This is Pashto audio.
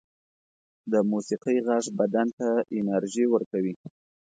د موسيقۍ غږ بدن ته انرژی ورکوي